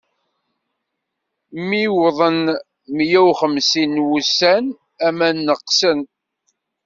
Mi wwḍen meyya uxemsin n wussan, aman neɣsen.